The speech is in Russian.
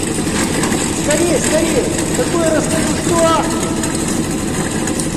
Скорей, скорей, такое расскажу, что ахнешь!